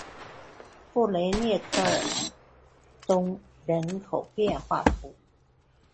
布雷涅科尔东人口变化图示